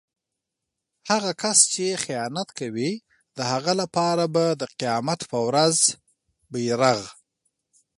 هغه کس چې خیانت کوي د هغه لپاره به د قيامت په ورځ بیرغ